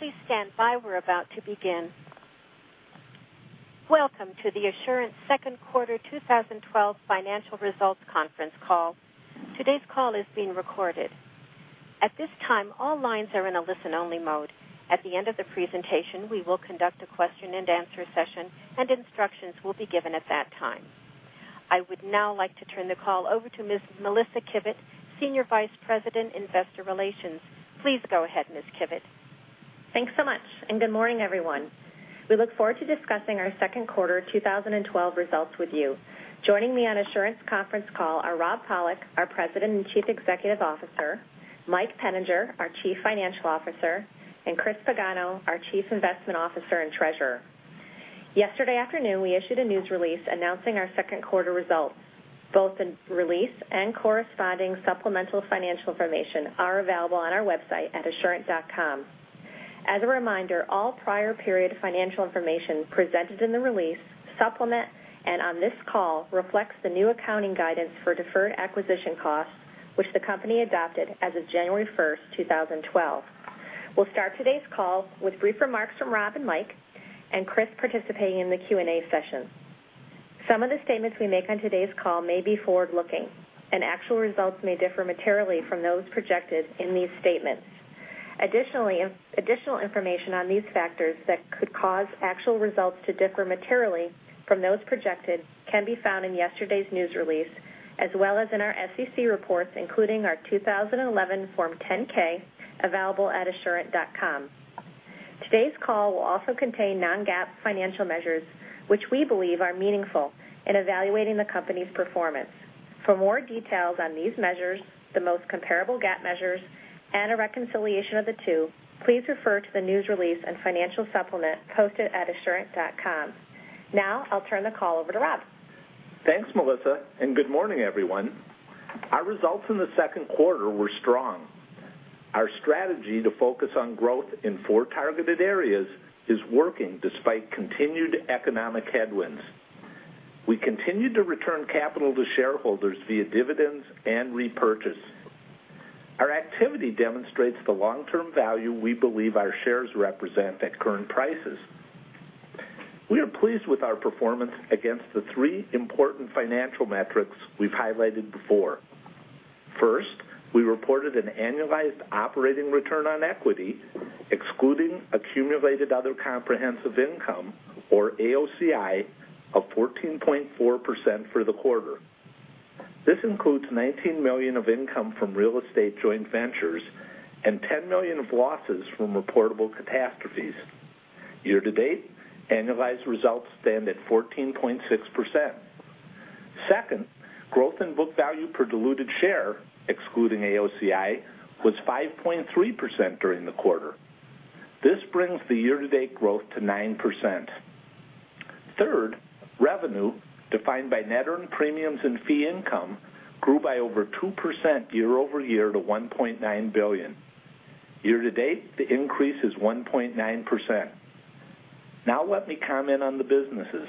Please stand by. We're about to begin. Welcome to the Assurant second quarter 2012 financial results conference call. Today's call is being recorded. At this time, all lines are in a listen only mode. At the end of the presentation, we will conduct a question and answer session, and instructions will be given at that time. I would now like to turn the call over to Ms. Melissa Kivett, Senior Vice President, Investor Relations. Please go ahead, Ms. Kivett. Thanks so much, and good morning, everyone. We look forward to discussing our second quarter 2012 results with you. Joining me on Assurant's conference call are Rob Pollock, our President and Chief Executive Officer, Mike Peninger, our Chief Financial Officer, and Chris Pagano, our Chief Investment Officer and Treasurer. Yesterday afternoon, we issued a news release announcing our second quarter results. Both the release and corresponding supplemental financial information are available on our website at assurant.com. As a reminder, all prior period financial information presented in the release, supplement, and on this call reflects the new accounting guidance for deferred acquisition costs, which the company adopted as of January 1st, 2012. We'll start today's call with brief remarks from Rob and Mike, and Chris participating in the Q&A session. Some of the statements we make on today's call may be forward-looking, and actual results may differ materially from those projected in these statements. Additional information on these factors that could cause actual results to differ materially from those projected can be found in yesterday's news release, as well as in our SEC reports, including our 2011 Form 10-K, available at assurant.com. Today's call will also contain non-GAAP financial measures, which we believe are meaningful in evaluating the company's performance. For more details on these measures, the most comparable GAAP measures, and a reconciliation of the two, please refer to the news release and financial supplement posted at assurant.com. I'll turn the call over to Rob. Thanks, Melissa, and good morning, everyone. Our results in the second quarter were strong. Our strategy to focus on growth in four targeted areas is working despite continued economic headwinds. We continued to return capital to shareholders via dividends and repurchase. Our activity demonstrates the long-term value we believe our shares represent at current prices. We are pleased with our performance against the three important financial metrics we've highlighted before. First, we reported an annualized operating return on equity, excluding accumulated other comprehensive income, or AOCI, of 14.4% for the quarter. This includes $19 million of income from real estate joint ventures and $10 million of losses from reportable catastrophes. Year-to-date, annualized results stand at 14.6%. Second, growth in book value per diluted share, excluding AOCI, was 5.3% during the quarter. This brings the year-to-date growth to 9%. Third, revenue, defined by net earned premiums and fee income, grew by over 2% year-over-year to $1.9 billion. Year to date, the increase is 1.9%. Let me comment on the businesses.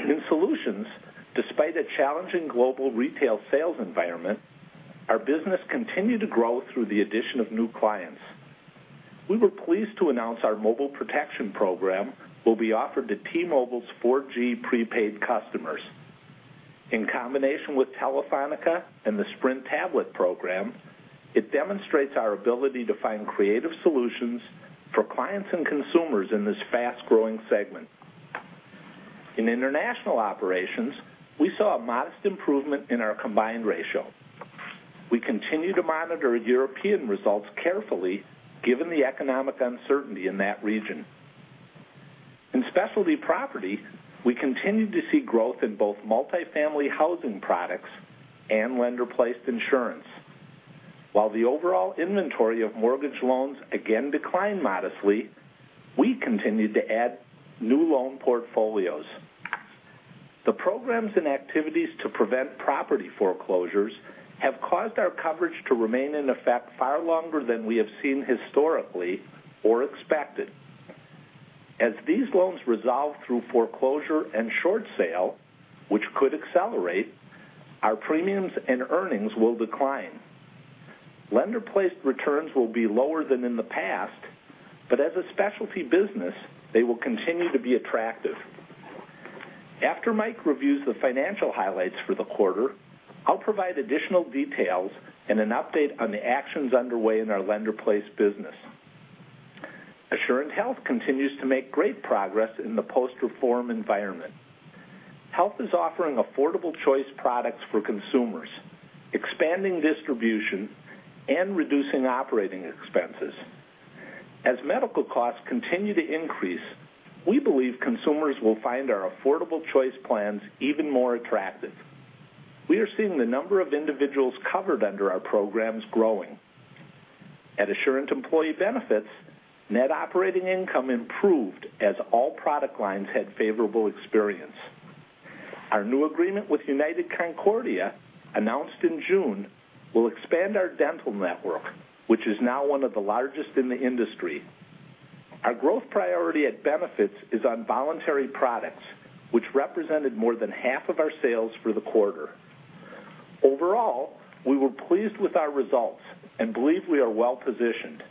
In Solutions, despite a challenging global retail sales environment, our business continued to grow through the addition of new clients. We were pleased to announce our mobile protection program will be offered to T-Mobile's 4G prepaid customers. In combination with Telefónica and the Sprint tablet program, it demonstrates our ability to find creative solutions for clients and consumers in this fast-growing segment. In international operations, we saw a modest improvement in our combined ratio. We continue to monitor European results carefully, given the economic uncertainty in that region. In Specialty Property, we continued to see growth in both multifamily housing products and Lender-Placed Insurance. While the overall inventory of mortgage loans again declined modestly, we continued to add new loan portfolios. The programs and activities to prevent property foreclosures have caused our coverage to remain in effect far longer than we have seen historically or expected. As these loans resolve through foreclosure and short sale, which could accelerate, our premiums and earnings will decline. Lender-Placed returns will be lower than in the past, but as a specialty business, they will continue to be attractive. After Mike reviews the financial highlights for the quarter, I'll provide additional details and an update on the actions underway in our Lender-Placed business. Assurant Health continues to make great progress in the post-reform environment. Health is offering affordable choice products for consumers, expanding distribution, and reducing operating expenses. As medical costs continue to increase, we believe consumers will find our affordable choice plans even more attractive. We are seeing the number of individuals covered under our programs growing. At Assurant Employee Benefits, net operating income improved as all product lines had favorable experience. Our new agreement with United Concordia, announced in June, will expand our dental network, which is now one of the largest in the industry. Our growth priority at Benefits is on voluntary products, which represented more than half of our sales for the quarter. Overall, we were pleased with our results and believe we are well-positioned.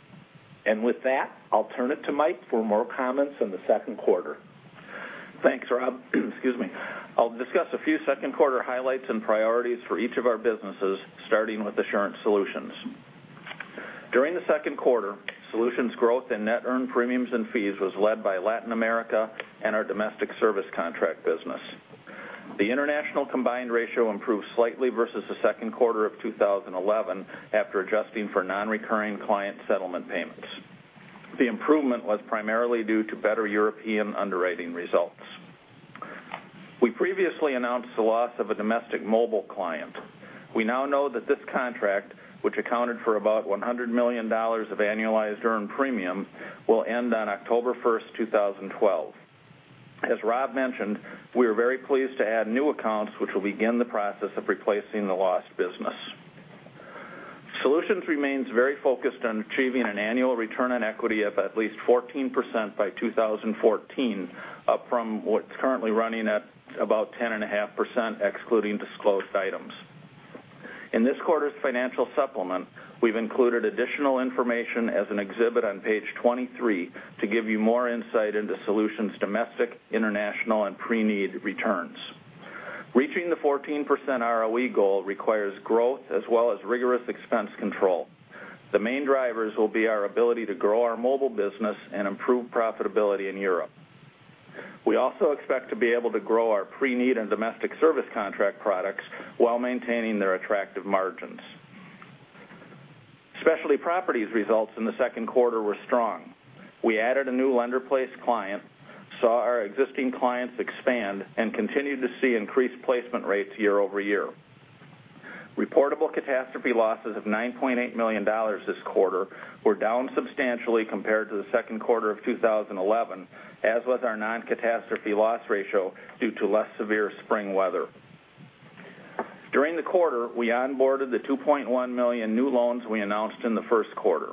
With that, I'll turn it to Mike for more comments on the second quarter. Thanks, Rob. Excuse me. I'll discuss a few second quarter highlights and priorities for each of our businesses, starting with Assurant Solutions. During the second quarter, Solutions growth and net earned premiums and fees was led by Latin America and our domestic service contract business. The international combined ratio improved slightly versus the second quarter of 2011 after adjusting for non-recurring client settlement payments. The improvement was primarily due to better European underwriting results. We previously announced the loss of a domestic mobile client. We now know that this contract, which accounted for about $100 million of annualized earned premium, will end on October 1st, 2012. As Rob mentioned, we are very pleased to add new accounts, which will begin the process of replacing the lost business. Solutions remains very focused on achieving an annual return on equity of at least 14% by 2014, up from what's currently running at about 10.5%, excluding disclosed items. In this quarter's financial supplement, we've included additional information as an exhibit on page 23 to give you more insight into Solutions' domestic, international, and pre-need returns. Reaching the 14% ROE goal requires growth as well as rigorous expense control. The main drivers will be our ability to grow our mobile business and improve profitability in Europe. We also expect to be able to grow our pre-need and domestic service contract products while maintaining their attractive margins. Specialty Properties results in the second quarter were strong. We added a new lender-placed client, saw our existing clients expand, and continued to see increased placement rates year-over-year. Reportable catastrophe losses of $9.8 million this quarter were down substantially compared to the second quarter of 2011, as was our non-catastrophe loss ratio due to less severe spring weather. During the quarter, we onboarded the 2.1 million new loans we announced in the first quarter.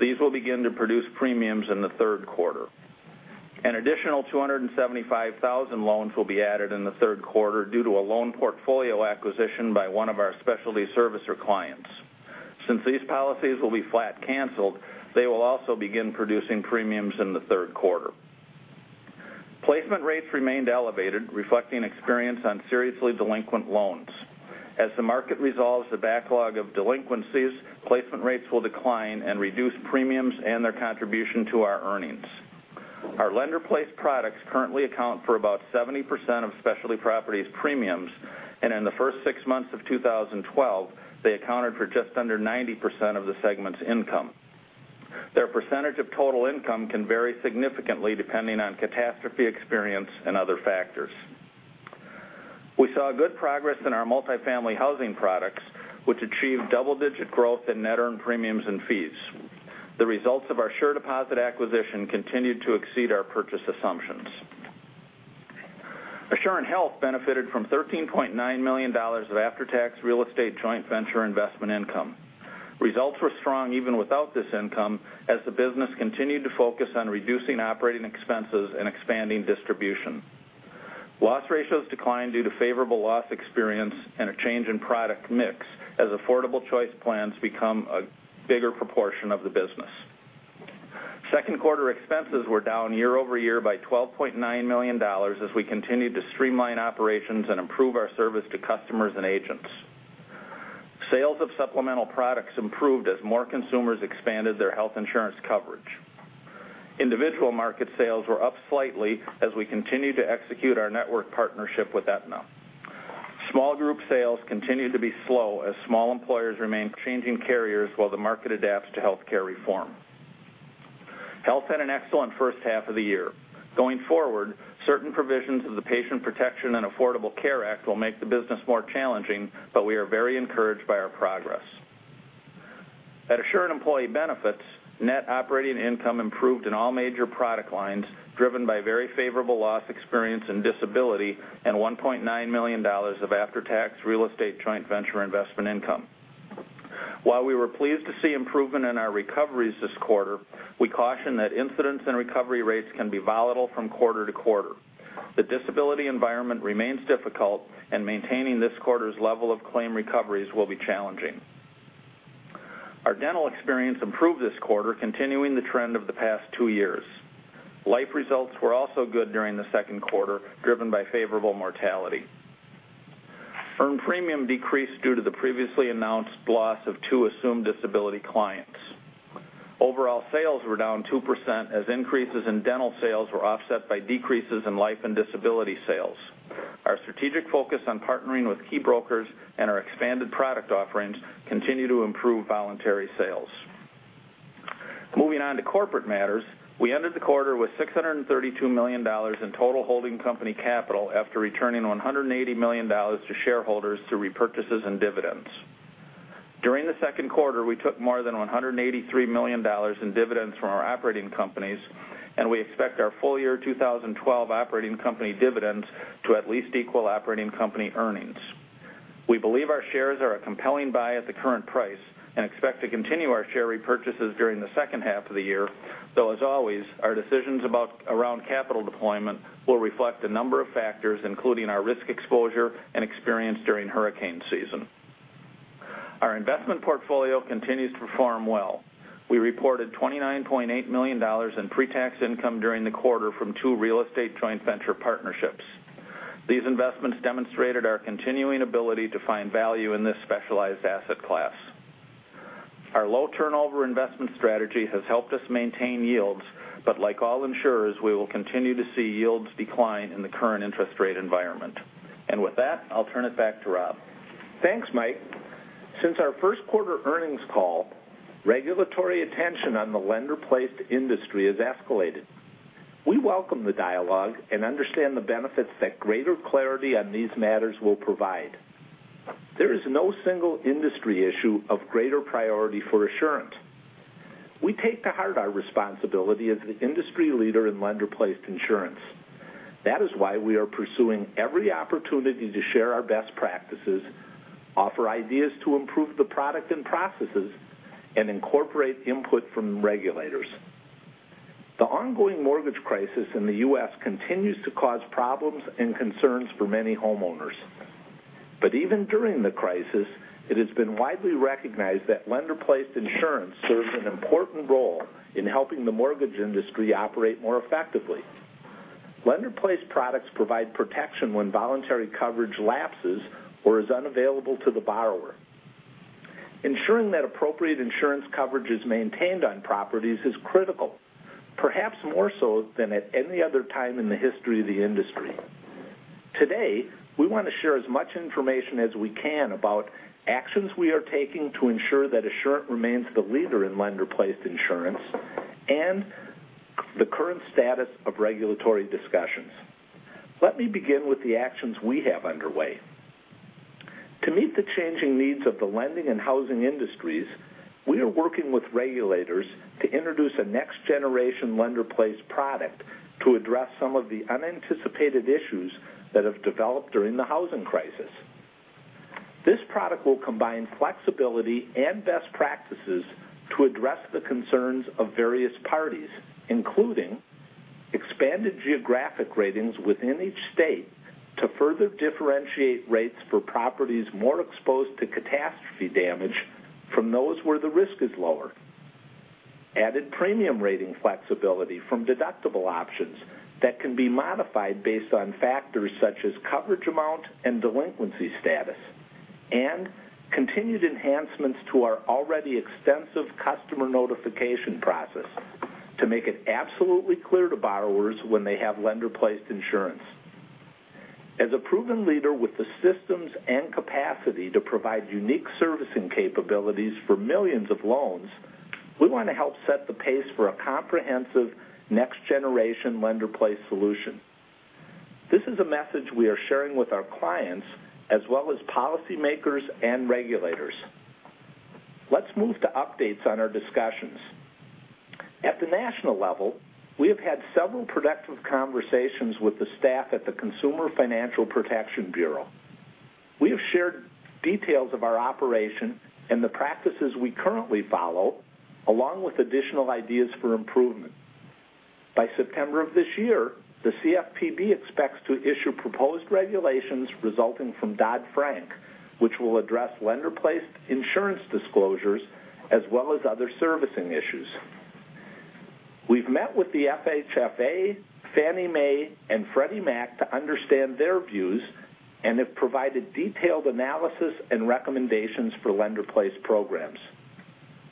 These will begin to produce premiums in the third quarter. An additional 275,000 loans will be added in the third quarter due to a loan portfolio acquisition by one of our specialty servicer clients. Since these policies will be flat canceled, they will also begin producing premiums in the third quarter. Placement rates remained elevated, reflecting experience on seriously delinquent loans. As the market resolves the backlog of delinquencies, placement rates will decline and reduce premiums and their contribution to our earnings. Our lender-placed products currently account for about 70% of Specialty Properties premiums, and in the first six months of 2012, they accounted for just under 90% of the segment's income. Their percentage of total income can vary significantly, depending on catastrophe experience and other factors. We saw good progress in our multifamily housing products, which achieved double-digit growth in net earned premiums and fees. The results of our SureDeposit acquisition continued to exceed our purchase assumptions. Assurant Health benefited from $13.9 million of after-tax real estate joint venture investment income. Results were strong even without this income, as the business continued to focus on reducing operating expenses and expanding distribution. Loss ratios declined due to favorable loss experience and a change in product mix as affordable choice plans become a bigger proportion of the business. Second quarter expenses were down year-over-year by $12.9 million as we continued to streamline operations and improve our service to customers and agents. Sales of supplemental products improved as more consumers expanded their health insurance coverage. Individual market sales were up slightly as we continued to execute our network partnership with Aetna. Small group sales continued to be slow as small employers remain changing carriers while the market adapts to healthcare reform. Health had an excellent first half of the year. Going forward, certain provisions of the Patient Protection and Affordable Care Act will make the business more challenging, but we are very encouraged by our progress. At Assurant Employee Benefits, net operating income improved in all major product lines, driven by very favorable loss experience and disability and $1.9 million of after-tax real estate joint venture investment income. While we were pleased to see improvement in our recoveries this quarter, we caution that incidents and recovery rates can be volatile from quarter to quarter. The disability environment remains difficult, and maintaining this quarter's level of claim recoveries will be challenging. Our dental experience improved this quarter, continuing the trend of the past two years. Life results were also good during the second quarter, driven by favorable mortality. Earned premium decreased due to the previously announced loss of two assumed disability clients. Overall sales were down 2% as increases in dental sales were offset by decreases in life and disability sales. Our strategic focus on partnering with key brokers and our expanded product offerings continue to improve voluntary sales. Moving on to corporate matters, we ended the quarter with $632 million in total holding company capital after returning $180 million to shareholders through repurchases and dividends. During the second quarter, we took more than $183 million in dividends from our operating companies, and we expect our full year 2012 operating company dividends to at least equal operating company earnings. We believe our shares are a compelling buy at the current price and expect to continue our share repurchases during the second half of the year. As always, our decisions around capital deployment will reflect a number of factors, including our risk exposure and experience during hurricane season. Our investment portfolio continues to perform well. We reported $29.8 million in pre-tax income during the quarter from two real estate joint venture partnerships. These investments demonstrated our continuing ability to find value in this specialized asset class. Like all insurers, we will continue to see yields decline in the current interest rate environment. With that, I'll turn it back to Rob. Thanks, Mike. Since our first quarter earnings call, regulatory attention on the lender-placed industry has escalated. We welcome the dialogue and understand the benefits that greater clarity on these matters will provide. There is no single industry issue of greater priority for Assurant. We take to heart our responsibility as the industry leader in Lender-Placed Insurance. That is why we are pursuing every opportunity to share our best practices, offer ideas to improve the product and processes, and incorporate input from regulators. The ongoing mortgage crisis in the U.S. continues to cause problems and concerns for many homeowners. Even during the crisis, it has been widely recognized that Lender-Placed Insurance serves an important role in helping the mortgage industry operate more effectively. Lender-Placed products provide protection when voluntary coverage lapses or is unavailable to the borrower. Ensuring that appropriate insurance coverage is maintained on properties is critical, perhaps more so than at any other time in the history of the industry. Today, we want to share as much information as we can about actions we are taking to ensure that Assurant remains the leader in Lender-Placed Insurance and the current status of regulatory discussions. Let me begin with the actions we have underway. To meet the changing needs of the lending and housing industries, we are working with regulators to introduce a next generation lender-placed product to address some of the unanticipated issues that have developed during the housing crisis. This product will combine flexibility and best practices to address the concerns of various parties, including expanded geographic ratings within each state to further differentiate rates for properties more exposed to catastrophe damage from those where the risk is lower, added premium rating flexibility from deductible options that can be modified based on factors such as coverage amount and delinquency status, and continued enhancements to our already extensive customer notification process to make it absolutely clear to borrowers when they have Lender-Placed Insurance. As a proven leader with the systems and capacity to provide unique servicing capabilities for millions of loans, we want to help set the pace for a comprehensive next generation lender-placed solution. This is a message we are sharing with our clients, as well as policymakers and regulators. Let's move to updates on our discussions. At the national level, we have had several productive conversations with the staff at the Consumer Financial Protection Bureau. We have shared details of our operation and the practices we currently follow, along with additional ideas for improvement. By September of this year, the CFPB expects to issue proposed regulations resulting from Dodd-Frank, which will address Lender-Placed Insurance disclosures, as well as other servicing issues. We've met with the FHFA, Fannie Mae, and Freddie Mac to understand their views and have provided detailed analysis and recommendations for lender-placed programs.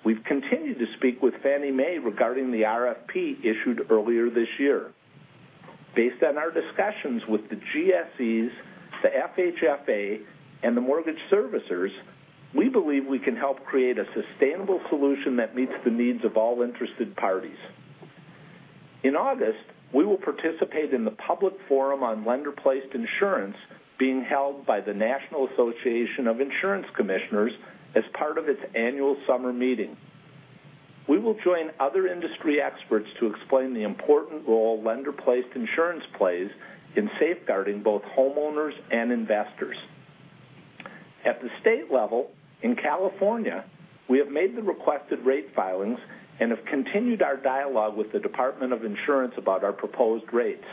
We've continued to speak with Fannie Mae regarding the RFP issued earlier this year. Based on our discussions with the GSEs, the FHFA, and the mortgage servicers, we believe we can help create a sustainable solution that meets the needs of all interested parties. In August, we will participate in the public forum on Lender-Placed Insurance being held by the National Association of Insurance Commissioners as part of its annual summer meeting. We will join other industry experts to explain the important role Lender-Placed Insurance plays in safeguarding both homeowners and investors. At the state level, in California, we have made the requested rate filings and have continued our dialogue with the Department of Insurance about our proposed rates.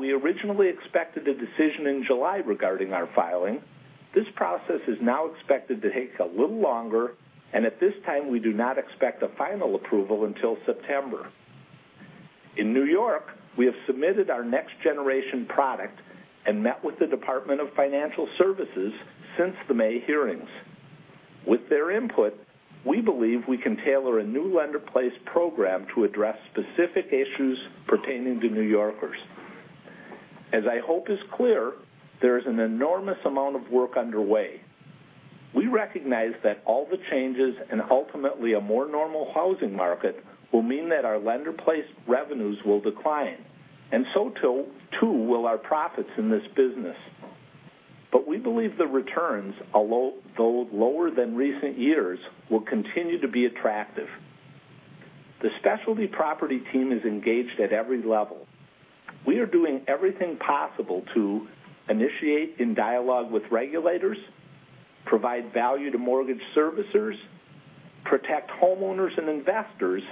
We originally expected a decision in July regarding our filing, this process is now expected to take a little longer, and at this time, we do not expect a final approval until September. In New York, we have submitted our next generation product and met with the Department of Financial Services since the May hearings. With their input, we believe we can tailor a new lender-placed program to address specific issues pertaining to New Yorkers. As I hope is clear, there is an enormous amount of work underway. We recognize that all the changes, ultimately a more normal housing market, will mean that our lender-placed revenues will decline, so too will our profits in this business. We believe the returns, although lower than recent years, will continue to be attractive. The Specialty Property team is engaged at every level. We are doing everything possible to initiate in dialogue with regulators, provide value to mortgage servicers, protect homeowners and investors,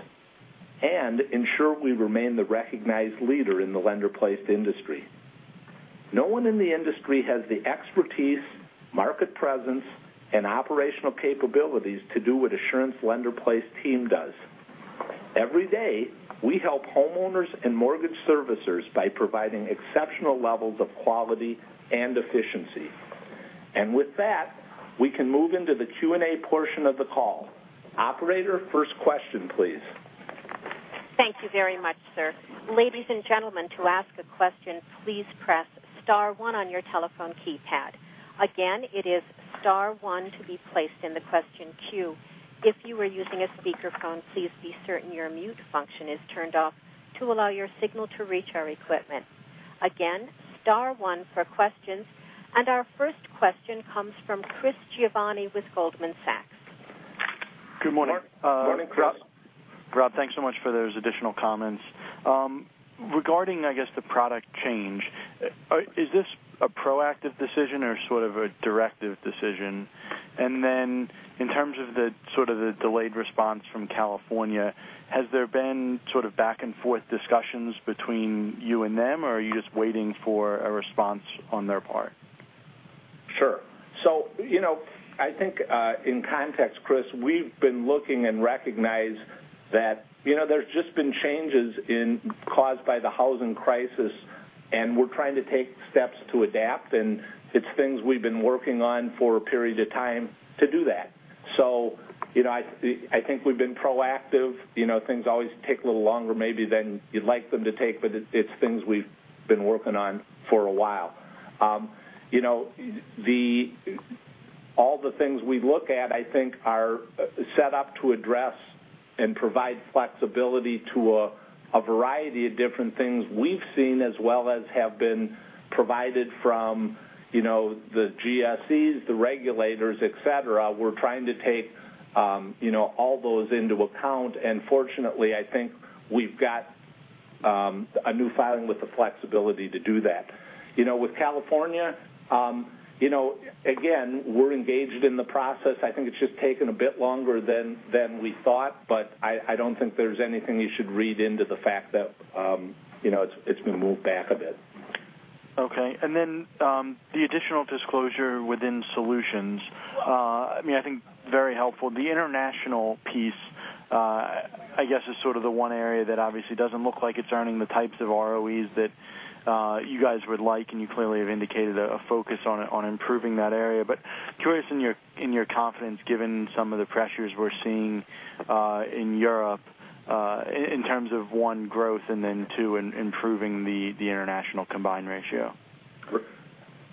and ensure we remain the recognized leader in the lender-placed industry. No one in the industry has the expertise, market presence, and operational capabilities to do what Assurant's lender-placed team does. Every day, we help homeowners and mortgage servicers by providing exceptional levels of quality and efficiency. With that, we can move into the Q&A portion of the call. Operator, first question, please. Thank you very much, sir. Ladies and gentlemen, to ask a question, please press *1 on your telephone keypad. Again, it is *1 to be placed in the question queue. If you are using a speakerphone, please be certain your mute function is turned off to allow your signal to reach our equipment. Again, *1 for questions. Our first question comes from Christopher Giovanni with Goldman Sachs. Good morning. Morning, Chris. Rob, thanks so much for those additional comments. Regarding, I guess, the product change, is this a proactive decision or sort of a directive decision? In terms of the delayed response from California, has there been sort of back-and-forth discussions between you and them, or are you just waiting for a response on their part? Sure. I think, in context, Chris, we've been looking and recognized that there's just been changes caused by the housing crisis, and we're trying to take steps to adapt, and it's things we've been working on for a period of time to do that. I think we've been proactive. Things always take a little longer maybe than you'd like them to take, but it's things we've been working on for a while. All the things we look at, I think, are set up to address and provide flexibility to a variety of different things we've seen as well as have been provided from the GSEs, the regulators, et cetera. We're trying to take all those into account. Fortunately, I think we've got a new filing with the flexibility to do that. With California, again, we're engaged in the process. I think it's just taken a bit longer than we thought, but I don't think there's anything you should read into the fact that it's been moved back a bit. Okay. The additional disclosure within Solutions, I think very helpful. The international piece, I guess, is sort of the one area that obviously doesn't look like it's earning the types of ROEs that you guys would like, and you clearly have indicated a focus on improving that area. Curious in your confidence, given some of the pressures we're seeing in Europe, in terms of, one, growth, and two, improving the international combined ratio. Right.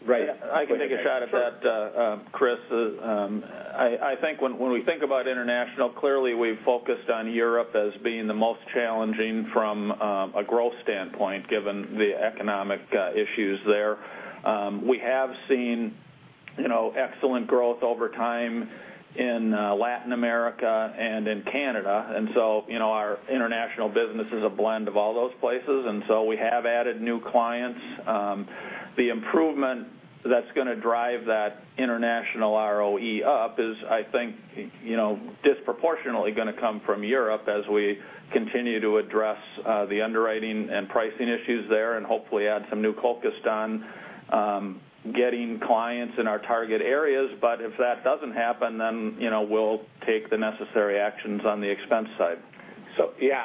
I can take a shot at that, Chris. I think when we think about international, clearly, we've focused on Europe as being the most challenging from a growth standpoint, given the economic issues there. We have seen excellent growth over time in Latin America and in Canada. Our international business is a blend of all those places. We have added new clients. The improvement that's going to drive that international ROE up is, I think, disproportionately going to come from Europe as we continue to address the underwriting and pricing issues there and hopefully add some new focus on getting clients in our target areas. If that doesn't happen, we'll take the necessary actions on the expense side. Yeah.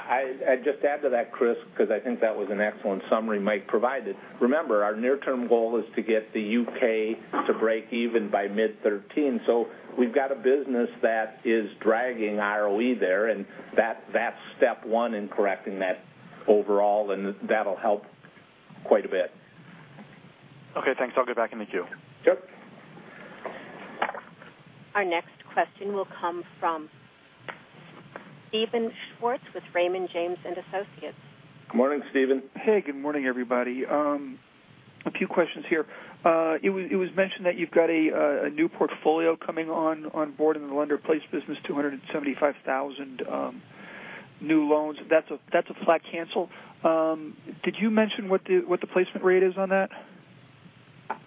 I'd just add to that, Chris, because I think that was an excellent summary Mike provided. Remember, our near-term goal is to get the U.K. to break even by mid 2013. We've got a business that is dragging ROE there, and that's step one in correcting that overall, and that'll help quite a bit. Okay, thanks. I'll go back in the queue. Sure. Our next question will come from Steven Schwartz with Raymond James & Associates. Good morning, Steven. Hey, good morning, everybody. A few questions here. It was mentioned that you've got a new portfolio coming on board in the Lender-Placed Insurance business, 275,000 new loans. That's a flat cancel. Did you mention what the placement rate is on that?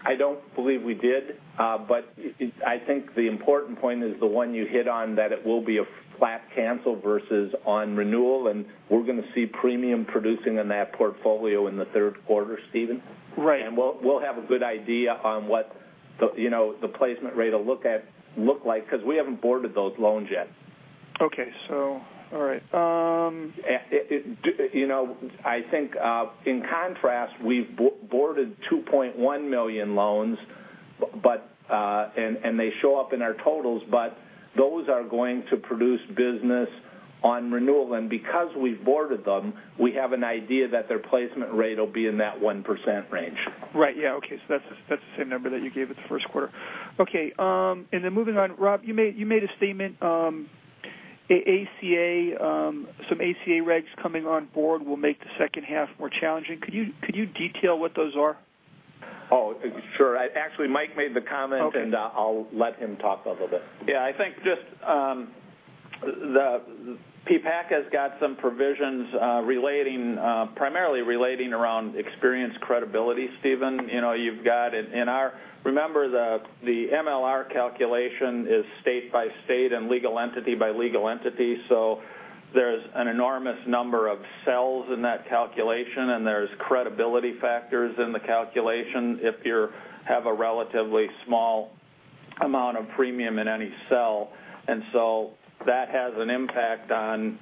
I don't believe we did. I think the important point is the one you hit on, that it will be a flat cancel versus on renewal, and we're going to see premium producing in that portfolio in the third quarter, Steven. Right. We will have a good idea on what the placement rate will look like because we haven't boarded those loans yet. Okay. All right. I think, in contrast, we've boarded 2.1 million loans, and they show up in our totals, but those are going to produce business on renewal. Because we've boarded them, we have an idea that their placement rate will be in that 1% range. Right. Yeah. Okay. That's the same number that you gave at the first quarter. Okay. Then moving on, Rob, you made a statement, some ACA regs coming on board will make the second half more challenging. Could you detail what those are? Oh, sure. Actually, Mike made the comment. Okay I'll let him talk a little bit. Yeah, I think just, PPACA has got some provisions primarily relating around experience credibility, Steven. Remember, the MLR calculation is state by state and legal entity by legal entity. There's an enormous number of cells in that calculation, and there's credibility factors in the calculation if you have a relatively small amount of premium in any cell. That has an impact on,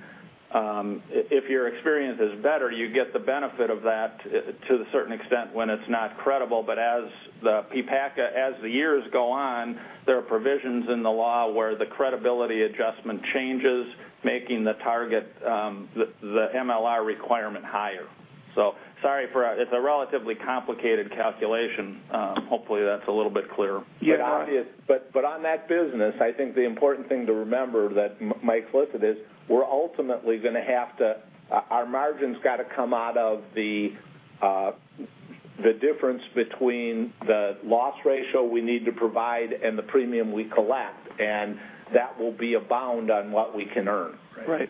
if your experience is better, you get the benefit of that to a certain extent when it's not credible. As the PPACA, as the years go on, there are provisions in the law where the credibility adjustment changes, making the target, the MLR requirement higher. Sorry for that. It's a relatively complicated calculation. Hopefully, that's a little bit clear. Yeah. On that business, I think the important thing to remember that Mike listed is our margins got to come out of the difference between the loss ratio we need to provide and the premium we collect. That will be a bound on what we can earn. Right.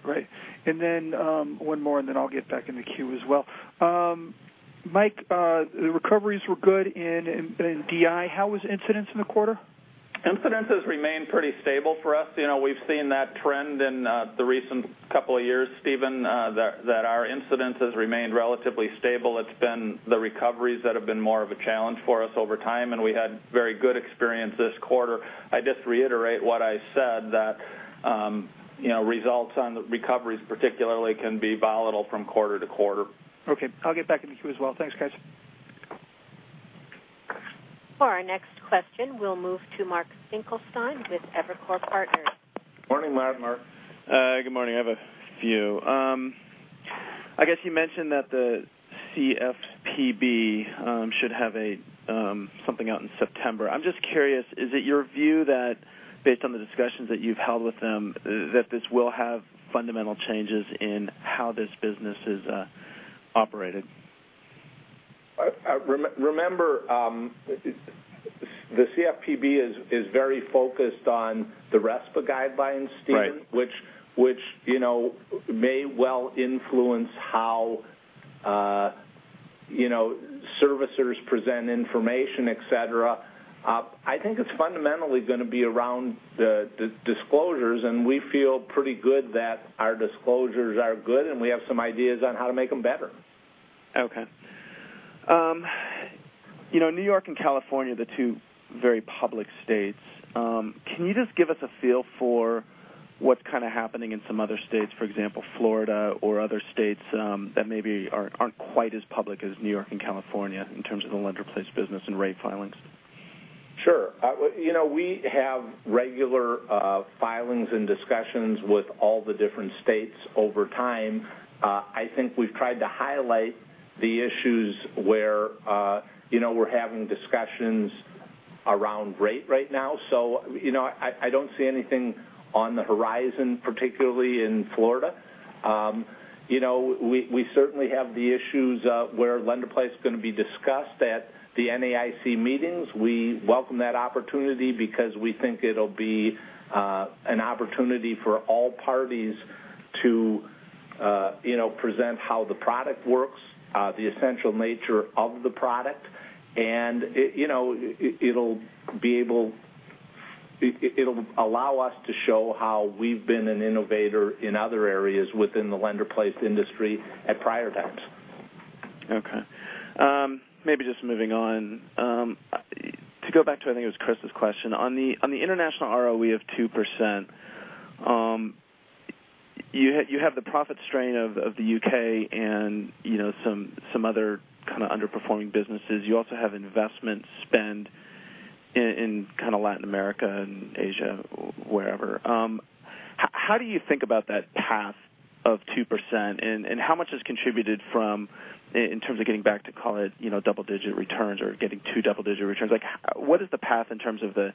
Then, one more, and then I'll get back in the queue as well. Mike, the recoveries were good in DI. How was incidence in the quarter? Incidence has remained pretty stable for us. We've seen that trend in the recent couple of years, Steven, that our incidence has remained relatively stable. It's been the recoveries that have been more of a challenge for us over time, and we had very good experience this quarter. I just reiterate what I said, that results on recoveries particularly can be volatile from quarter-to-quarter. Okay. I'll get back in the queue as well. Thanks, guys. For our next question, we'll move to Mark Finkelstein with Evercore Partners. Morning, Mark. Good morning. I have a few. I guess you mentioned that the CFPB should have something out in September. I'm just curious, is it your view that based on the discussions that you've held with them, that this will have fundamental changes in how this business is operated? Remember, the CFPB is very focused on the RESPA guidelines, Steven. Right Which may well influence how servicers present information, et cetera. I think it's fundamentally going to be around the disclosures, and we feel pretty good that our disclosures are good, and we have some ideas on how to make them better. Okay. New York and California are the two very public states. Can you just give us a feel for what's kind of happening in some other states, for example, Florida or other states that maybe aren't quite as public as New York and California in terms of the lender-placed business and rate filings? Sure. We have regular filings and discussions with all the different states over time. I think we've tried to highlight the issues where we're having discussions around rate right now. I don't see anything on the horizon, particularly in Florida. We certainly have the issues where lender-placed is going to be discussed at the NAIC meetings. We welcome that opportunity because we think it'll be an opportunity for all parties to present how the product works, the essential nature of the product, and it'll allow us to show how we've been an innovator in other areas within the lender-placed industry at prior times. Okay. Maybe just moving on. To go back to, I think it was Chris's question, on the international ROE of 2%, you have the profit strain of the U.K. and some other kind of underperforming businesses. You also have investment spend in Latin America and Asia, wherever. How do you think about that path of 2%? How much is contributed from, in terms of getting back to call it double-digit returns or getting two double-digit returns? What is the path in terms of the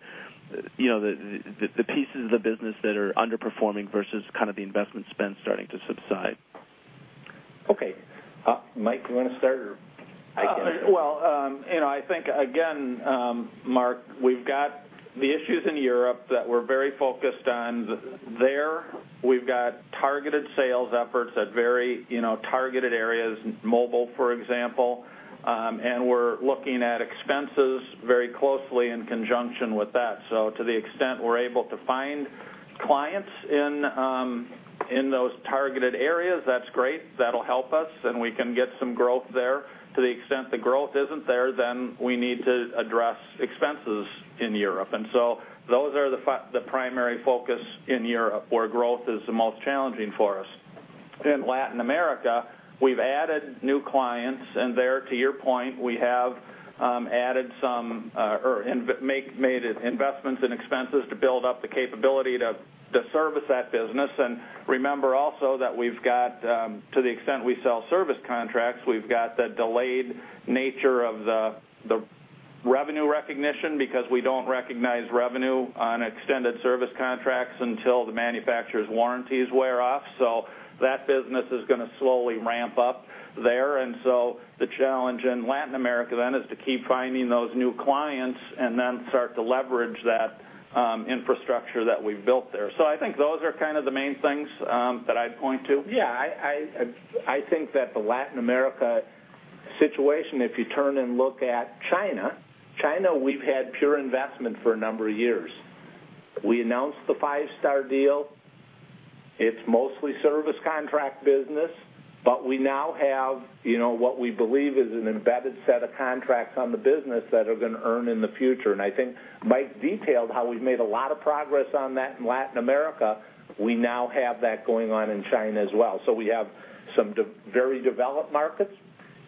pieces of the business that are underperforming versus kind of the investment spend starting to subside? Okay. Mike, you want to start or I can- Well, I think, again, Mark, we've got the issues in Europe that we're very focused on there. We've got targeted sales efforts at very targeted areas, mobile, for example. We're looking at expenses very closely in conjunction with that. To the extent we're able to find clients in those targeted areas, that's great. That'll help us, and we can get some growth there. To the extent the growth isn't there, then we need to address expenses in Europe. Those are the primary focus in Europe, where growth is the most challenging for us. In Latin America, we've added new clients, and there, to your point, we have made investments in expenses to build up the capability to service that business. Remember also that we've got, to the extent we sell service contracts, we've got the delayed nature of the revenue recognition because we don't recognize revenue on extended service contracts until the manufacturer's warranties wear off. That business is going to slowly ramp up there. The challenge in Latin America then is to keep finding those new clients and then start to leverage that infrastructure that we've built there. I think those are kind of the main things that I'd point to. Yeah. I think that the Latin America situation, if you turn and look at China we've had pure investment for a number of years. We announced the Five Star deal. It's mostly service contract business, but we now have what we believe is an embedded set of contracts on the business that are going to earn in the future. I think Mike detailed how we've made a lot of progress on that in Latin America. We now have that going on in China as well. We have some very developed markets,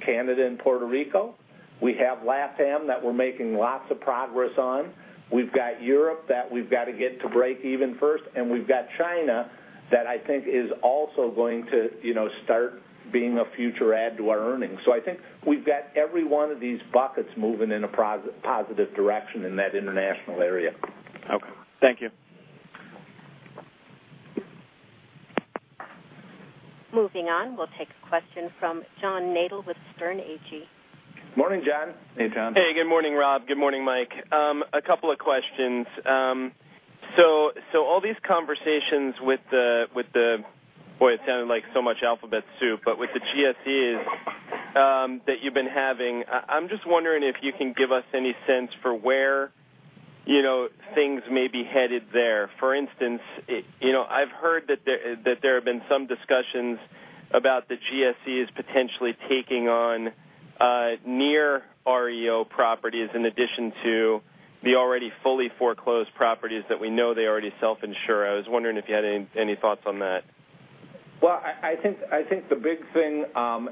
Canada, and Puerto Rico. We have LATAM that we're making lots of progress on. We've got Europe that we've got to get to break even first, and we've got China that I think is also going to start being a future add to our earnings. I think we've got every one of these buckets moving in a positive direction in that international area. Okay. Thank you. Moving on. We'll take a question from John Nadel with Sterne Agee. Morning, John. Hey, John. Hey. Good morning, Rob. Good morning, Mike. A couple of questions. All these conversations with the, boy, it sounded like so much alphabet soup, but with the GSEs that you've been having, I'm just wondering if you can give us any sense for where things may be headed there. For instance, I've heard that there have been some discussions about the GSEs potentially taking on near REO properties in addition to the already fully foreclosed properties that we know they already self-insure. I was wondering if you had any thoughts on that. Well, I think the big thing,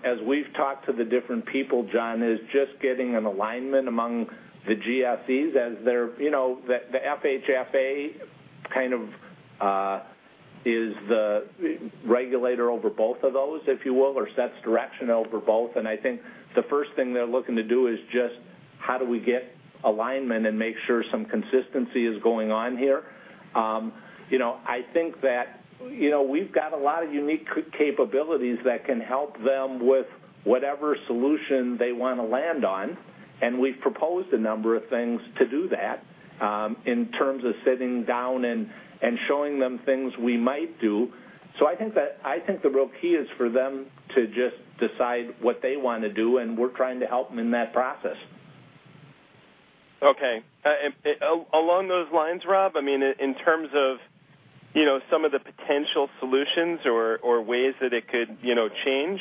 as we've talked to the different people, John, is just getting an alignment among the GSEs as the FHFA kind of is the regulator over both of those, if you will, or sets direction over both. I think the first thing they're looking to do is just how do we get alignment and make sure some consistency is going on here. I think that we've got a lot of unique capabilities that can help them with whatever solution they want to land on, and we've proposed a number of things to do that, in terms of sitting down and showing them things we might do. I think the real key is for them to just decide what they want to do, and we're trying to help them in that process. Okay. Along those lines, Rob, in terms of some of the potential solutions or ways that it could change,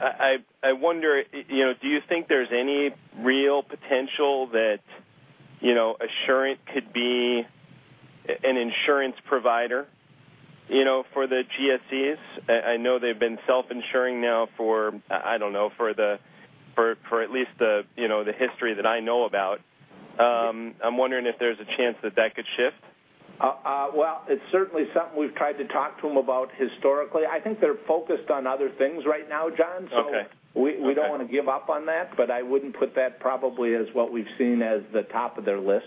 I wonder, do you think there's any real potential that Assurant could be an insurance provider for the GSEs? I know they've been self-insuring now for at least the history that I know about. I'm wondering if there's a chance that that could shift. It's certainly something we've tried to talk to them about historically. I think they're focused on other things right now, John. Okay. We don't want to give up on that, but I wouldn't put that probably as what we've seen as the top of their list.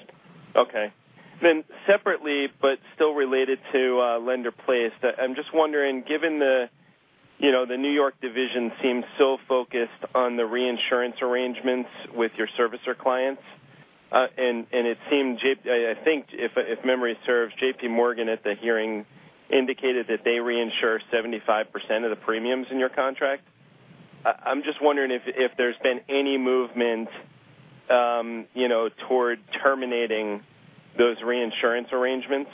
Separately, but still related to Lender-Placed, I'm just wondering, given the New York Division seems so focused on the reinsurance arrangements with your servicer clients, and I think if memory serves, JPMorgan at the hearing indicated that they reinsure 75% of the premiums in your contract. I'm just wondering if there's been any movement toward terminating those reinsurance arrangements.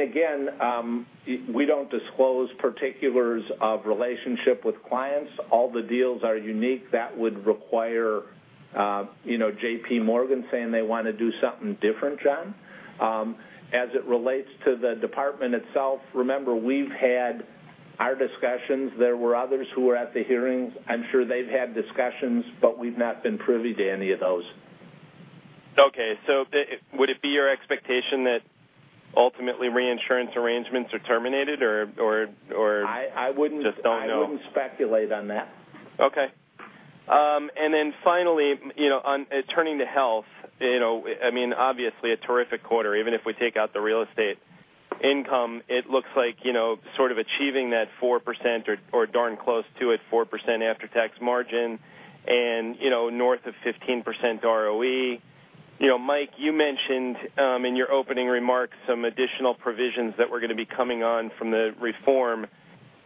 Again, we don't disclose particulars of relationship with clients. All the deals are unique. That would require JPMorgan saying they want to do something different, John. As it relates to the department itself, remember, we've had our discussions. There were others who were at the hearings. I'm sure they've had discussions, but we've not been privy to any of those. Would it be your expectation that ultimately reinsurance arrangements are terminated or? I wouldn't. Just don't know. I wouldn't speculate on that. Okay. Finally, turning to Assurant Health, obviously a terrific quarter. Even if we take out the real estate income, it looks like sort of achieving that 4% or darn close to it, 4% after-tax margin and north of 15% ROE. Mike, you mentioned in your opening remarks some additional provisions that were going to be coming on from the reform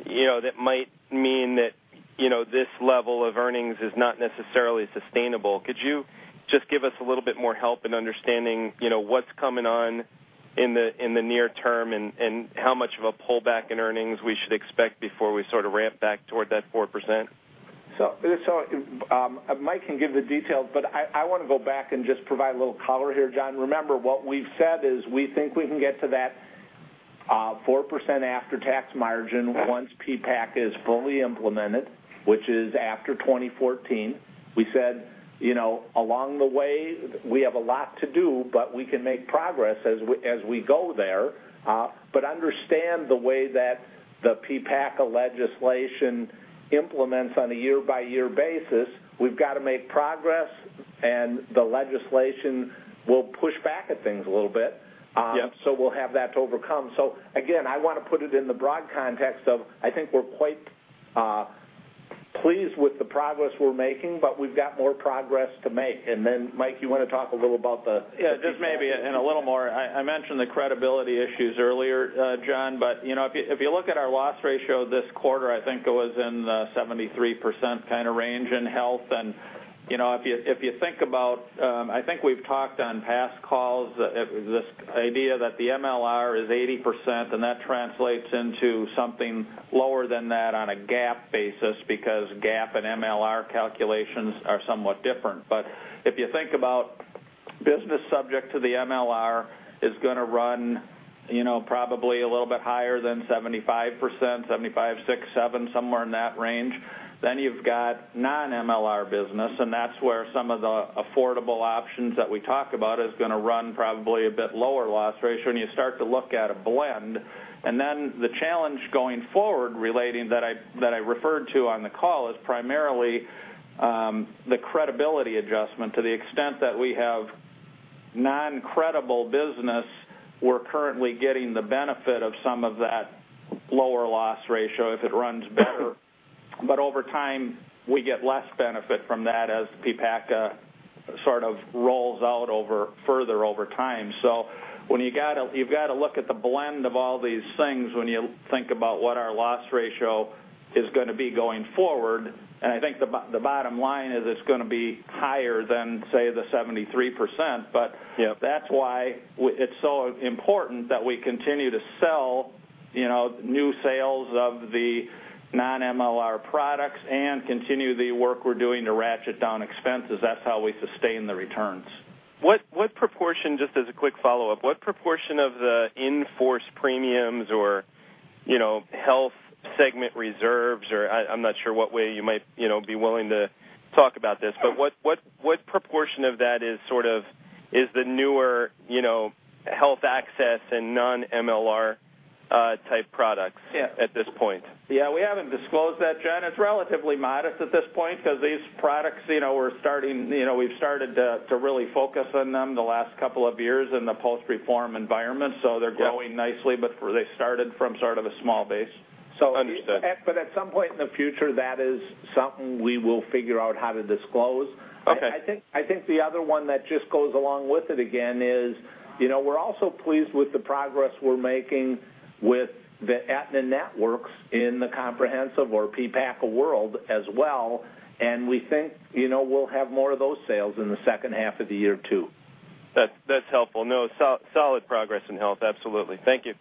that might mean that this level of earnings is not necessarily sustainable. Could you just give us a little bit more help in understanding what's coming on in the near term and how much of a pullback in earnings we should expect before we sort of ramp back toward that 4%? Mike can give the details, but I want to go back and just provide a little color here, John. Remember, what we've said is we think we can get to that 4% after-tax margin once PPACA is fully implemented, which is after 2014. We said, along the way, we have a lot to do, but we can make progress as we go there. Understand the way that the PPACA legislation implements on a year-by-year basis, we've got to make progress, and the legislation will push back at things a little bit. Yep. We'll have that to overcome. Again, I want to put it in the broad context of, I think we're quite pleased with the progress we're making, but we've got more progress to make. Mike, you want to talk a little about the- Just maybe in a little more. I mentioned the credibility issues earlier, John. If you look at our loss ratio this quarter, I think it was in the 73% kind of range in Assurant Health. If you think about, I think we've talked on past calls, this idea that the MLR is 80%, and that translates into something lower than that on a GAAP basis, because GAAP and MLR calculations are somewhat different. If you think about business subject to the MLR is going to run probably a little bit higher than 75%, 75, six, seven, somewhere in that range. Then you've got non-MLR business, and that's where some of the affordable options that we talk about is going to run probably a bit lower loss ratio. You start to look at a blend. The challenge going forward relating that I referred to on the call is primarily the credibility adjustment. To the extent that we have non-credible business, we're currently getting the benefit of some of that lower loss ratio if it runs better. Over time, we get less benefit from that as PPACA sort of rolls out further over time. You've got to look at the blend of all these things when you think about what our loss ratio is going to be going forward. I think the bottom line is it's going to be higher than, say, the 73%. But- Yeah That's why it's so important that we continue to sell new sales of the non-MLR products and continue the work we're doing to ratchet down expenses. That's how we sustain the returns. What proportion, just as a quick follow-up, what proportion of the in-force premiums or health segment reserves or I'm not sure what way you might be willing to talk about this. What proportion of that is the newer health access and non-MLR type products at this point? Yeah. We haven't disclosed that, John. It's relatively modest at this point because these products we've started to really focus on them the last couple of years in the post-reform environment. They're growing nicely, but they started from sort of a small base. Understood. At some point in the future, that is something we will figure out how to disclose. Okay. I think the other one that just goes along with it again is we're also pleased with the progress we're making with the Aetna networks in the comprehensive or PPACA world as well, and we think we'll have more of those sales in the second half of the year, too. That's helpful. No, solid progress in health. Absolutely. Thank you.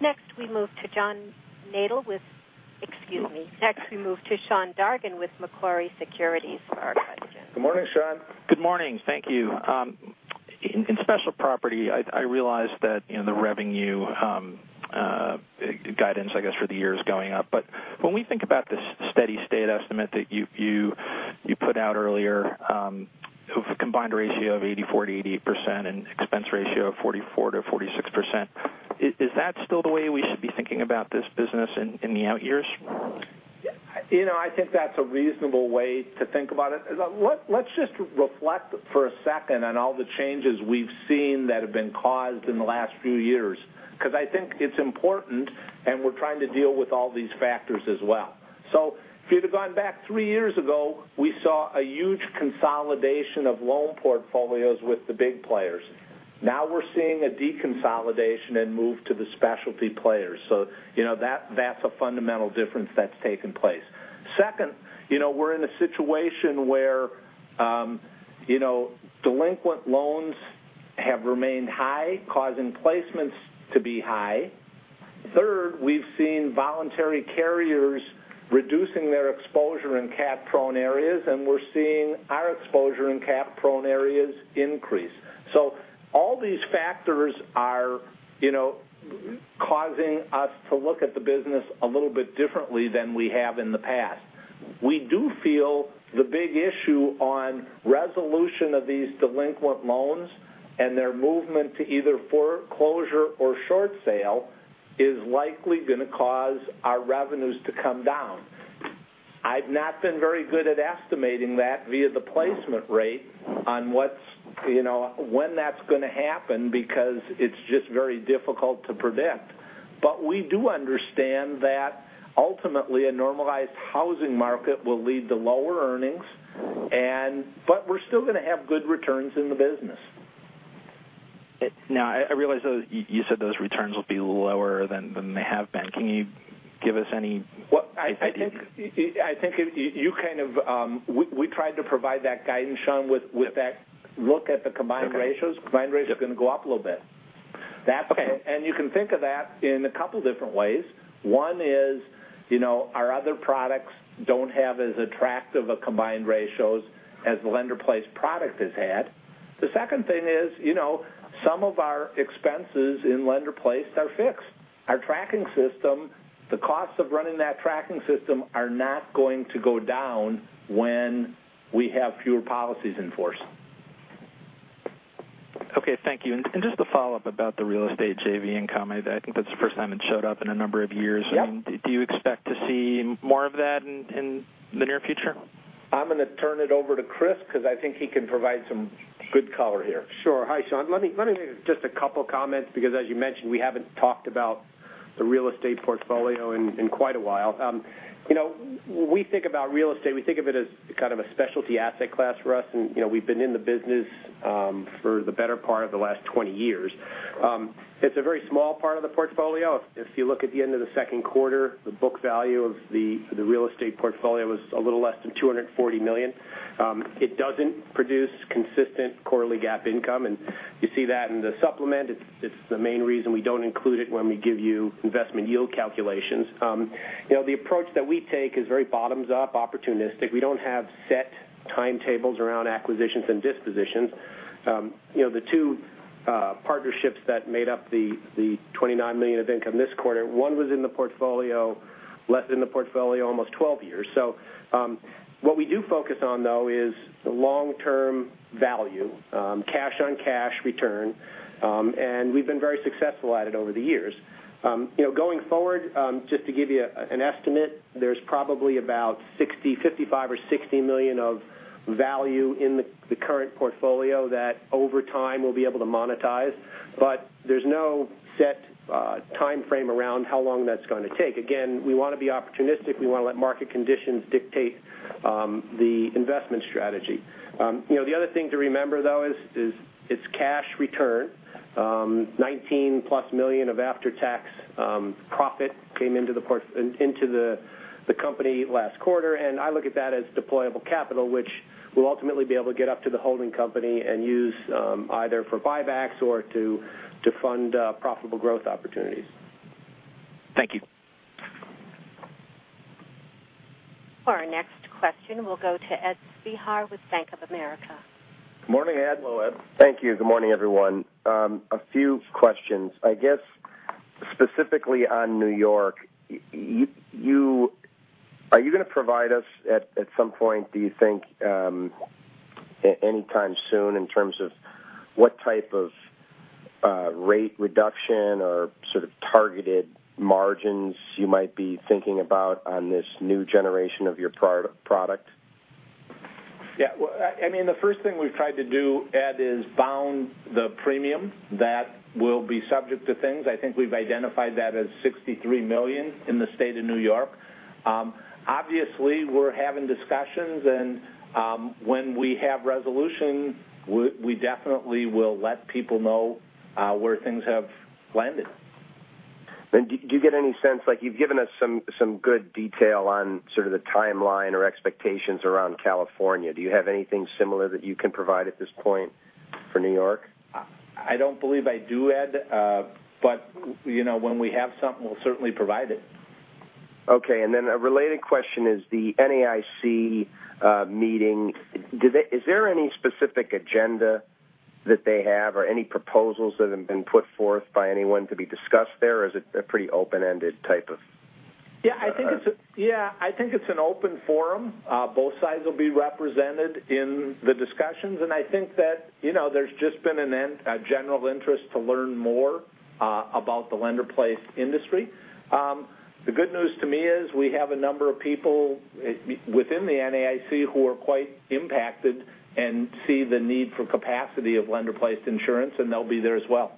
Next, we move to John Nadel. Next, we move to Sean Dargan with Macquarie Securities for our questions. Good morning, Sean. Good morning. Thank you. In Specialty Property, I realize that the revenue guidance, I guess, for the year is going up. When we think about this steady state estimate that you put out earlier, combined ratio of 84%-88% and expense ratio of 44%-46%, is that still the way we should be thinking about this business in the out years? I think that's a reasonable way to think about it. Let's just reflect for a second on all the changes we've seen that have been caused in the last few years, because I think it's important, and we're trying to deal with all these factors as well. If you'd have gone back three years ago, we saw a huge consolidation of loan portfolios with the big players. Now we're seeing a deconsolidation and move to the specialty players. That's a fundamental difference that's taken place. Second, we're in a situation where delinquent loans have remained high, causing placements to be high. Third, we've seen voluntary carriers reducing their exposure in cat-prone areas, and we're seeing our exposure in cat-prone areas increase. All these factors are causing us to look at the business a little bit differently than we have in the past. We do feel the big issue on resolution of these delinquent loans and their movement to either foreclosure or short sale is likely going to cause our revenues to come down. I've not been very good at estimating that via the placement rate on when that's going to happen because it's just very difficult to predict. We do understand that ultimately a normalized housing market will lead to lower earnings. We're still going to have good returns in the business. Now, I realize you said those returns will be lower than they have been. Can you give us any idea? We tried to provide that guidance, Sean, with that look at the combined ratios. Okay. Combined ratios are going to go up a little bit. Okay. You can think of that in a couple different ways. One is our other products don't have as attractive a combined ratios as Lender-Placed product has had. The second thing is some of our expenses in Lender-Placed are fixed. Our tracking system, the costs of running that tracking system are not going to go down when we have fewer policies in force. Okay. Thank you. Just a follow-up about the real estate JV income. I think that's the first time it showed up in a number of years. Yeah. Do you expect to see more of that in the near future? I'm going to turn it over to Chris because I think he can provide some good color here. Sure. Hi, Sean. Let me make just a couple of comments because as you mentioned, we haven't talked about the real estate portfolio in quite a while. When we think about real estate, we think of it as kind of a specialty asset class for us. We've been in the business for the better part of the last 20 years. It's a very small part of the portfolio. If you look at the end of the second quarter, the book value of the real estate portfolio was a little less than $240 million. It doesn't produce consistent quarterly GAAP income, and you see that in the supplement. It's the main reason we don't include it when we give you investment yield calculations. The approach that we take is very bottoms-up opportunistic. We don't have set timetables around acquisitions and dispositions. The two partnerships that made up the $29 million of income this quarter, one was in the portfolio almost 12 years. What we do focus on though is the long-term value, cash-on-cash return, and we've been very successful at it over the years. Going forward, just to give you an estimate, there's probably about $55 or $60 million of value in the current portfolio that over time we'll be able to monetize. There's no set timeframe around how long that's going to take. Again, we want to be opportunistic. We want to let market conditions dictate the investment strategy. The other thing to remember, though, is its cash return. $19-plus million of after-tax profit came into the company last quarter, and I look at that as deployable capital, which we'll ultimately be able to get up to the holding company and use either for buybacks or to fund profitable growth opportunities. Thank you. Our next question will go to Ed Zahar with Bank of America. Morning, Ed. Hello, Ed. Thank you. Good morning, everyone. A few questions. I guess specifically on New York, are you going to provide us at some point, do you think, anytime soon in terms of what type of rate reduction or sort of targeted margins you might be thinking about on this new generation of your product? Yeah. The first thing we've tried to do, Ed, is bound the premium that will be subject to things. I think we've identified that as $63 million in the state of New York. Obviously, we're having discussions. When we have resolution, we definitely will let people know where things have landed. Do you get any sense, like you've given us some good detail on sort of the timeline or expectations around California? Do you have anything similar that you can provide at this point for New York? I don't believe I do, Ed. When we have something, we'll certainly provide it. Okay, then a related question is the NAIC meeting. Is there any specific agenda that they have or any proposals that have been put forth by anyone to be discussed there, or is it a pretty open-ended type of. Yeah, I think it's an open forum. Both sides will be represented in the discussions, and I think that there's just been a general interest to learn more about the Lender-Placed Insurance industry. The good news to me is we have a number of people within the NAIC who are quite impacted and see the need for capacity of Lender-Placed Insurance, and they'll be there as well.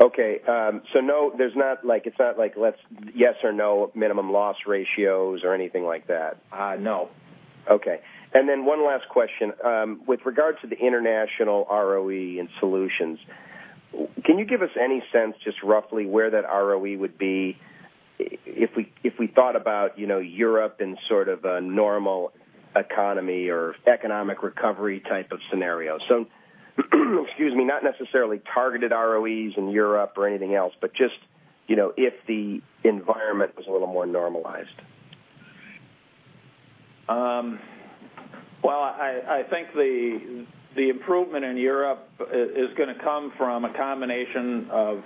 Okay. No, it's not like yes or no minimum loss ratios or anything like that. No. Okay, one last question. With regard to the international ROE in Solutions, can you give us any sense just roughly where that ROE would be if we thought about Europe in sort of a normal economy or economic recovery type of scenario? Excuse me, not necessarily targeted ROEs in Europe or anything else, just if the environment was a little more normalized. Well, I think the improvement in Europe is going to come from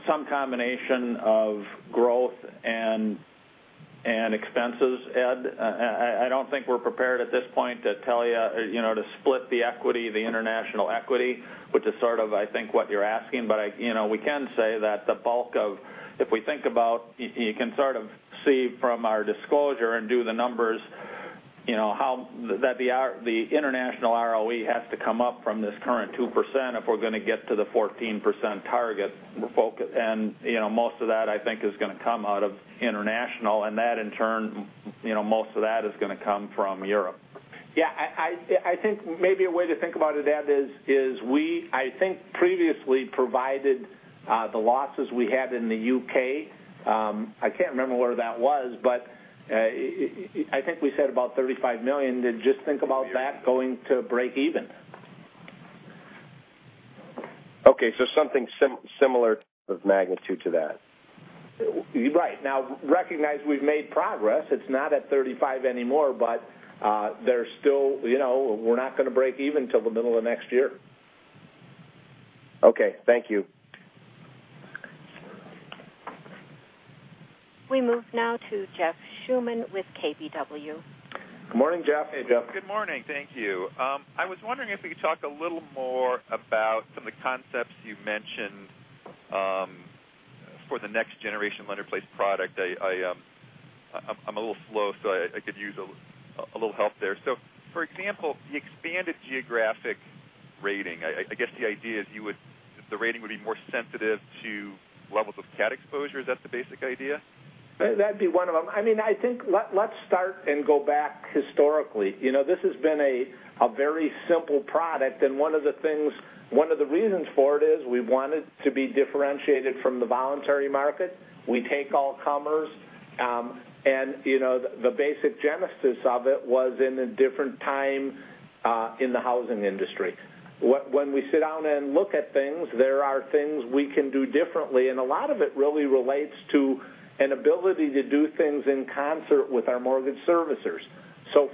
some combination of growth and expenses, Ed. I don't think we're prepared at this point to split the equity, the international equity, which is sort of I think what you're asking. We can say that the bulk of, if we think about, you can sort of see from our disclosure and do the numbers, that the international ROE has to come up from this current 2% if we're going to get to the 14% target. Most of that, I think, is going to come out of international, and that in turn, most of that is going to come from Europe. Yeah. I think maybe a way to think about it, Ed, is we, I think previously provided the losses we had in the U.K. I can't remember where that was, but I think we said about $35 million. Just think about that going to break even. Okay. Something similar magnitude to that. Right. Now, recognize we've made progress. It's not at 35 anymore, but we're not going to break even till the middle of next year. Okay. Thank you. We move now to Jeff Schmitt with KBW. Good morning, Jeff. Hey, Jeff. Good morning. Thank you. I was wondering if we could talk a little more about some of the concepts you mentioned the next generation Lender-Placed product. I'm a little slow, so I could use a little help there. For example, the expanded geographic rating, I guess the idea is the rating would be more sensitive to levels of cat exposure. Is that the basic idea? That'd be one of them. I think let start and go back historically. This has been a very simple product, and one of the reasons for it is we wanted to be differentiated from the voluntary market. We take all comers. The basic genesis of it was in a different time, in the housing industry. When we sit down and look at things, there are things we can do differently, and a lot of it really relates to an ability to do things in concert with our mortgage servicers.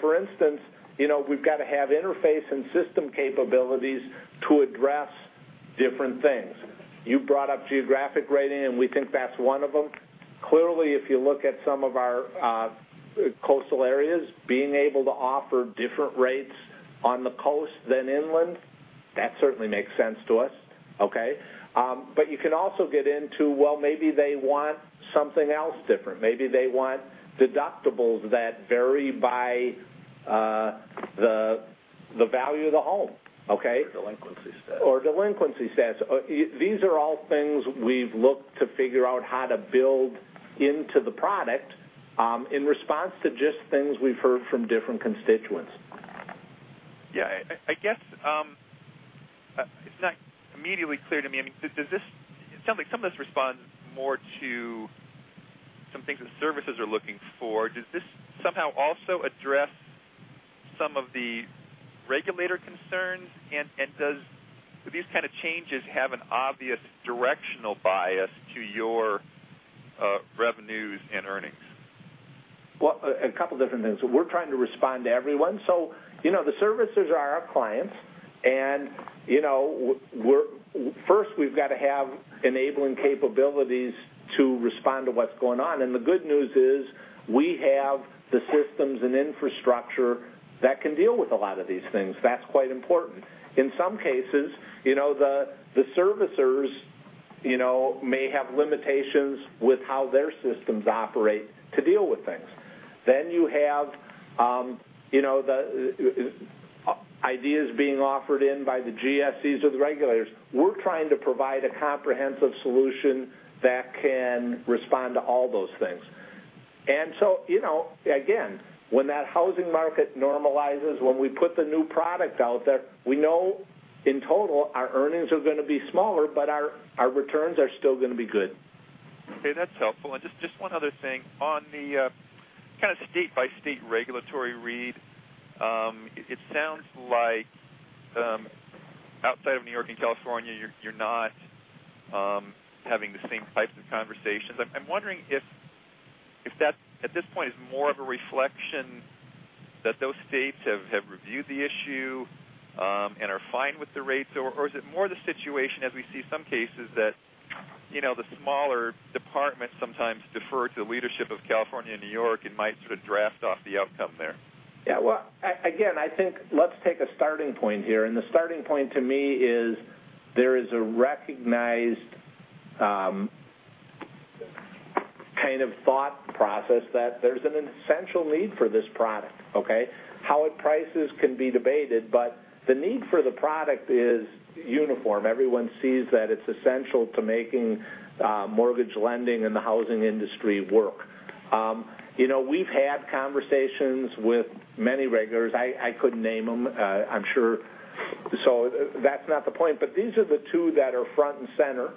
For instance, we've got to have interface and system capabilities to address different things. You brought up geographic rating, and we think that's one of them. Clearly, if you look at some of our coastal areas, being able to offer different rates on the coast than inland, that certainly makes sense to us. Okay? You can also get into, well, maybe they want something else different. Maybe they want deductibles that vary by the value of the home. Okay? delinquency status. delinquency status. These are all things we've looked to figure out how to build into the product, in response to just things we've heard from different constituents. Yeah, I guess, it's not immediately clear to me. It sounds like some of this responds more to some things that servicers are looking for. Does this somehow also address some of the regulator concerns, and do these kind of changes have an obvious directional bias to your revenues and earnings? Well, a couple different things. We're trying to respond to everyone. The servicers are our clients, and first we've got to have enabling capabilities to respond to what's going on. The good news is we have the systems and infrastructure that can deal with a lot of these things. That's quite important. In some cases, the servicers may have limitations with how their systems operate to deal with things. You have the ideas being offered in by the GSEs or the regulators. We're trying to provide a comprehensive solution that can respond to all those things. Again, when that housing market normalizes, when we put the new product out there, we know in total our earnings are going to be smaller, but our returns are still going to be good. Just one other thing. On the kind of state-by-state regulatory read, it sounds like, outside of New York and California, you're not having the same types of conversations. I'm wondering if that, at this point, is more of a reflection that those states have reviewed the issue, and are fine with the rates, or is it more the situation as we see some cases that the smaller departments sometimes defer to the leadership of California and New York and might sort of draft off the outcome there? Yeah. Well, again, I think let's take a starting point here. The starting point to me is there is a recognized kind of thought process that there's an essential need for this product. Okay? How it prices can be debated, but the need for the product is uniform. Everyone sees that it's essential to making mortgage lending and the housing industry work. We've had conversations with many regulators. I could name them, I'm sure. That's not the point, but these are the two that are front and center.